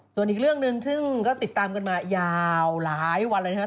ส่วนอีกเรื่องหนึ่งซึ่งก็ติดตามกันมายาวหลายวันเลยนะครับ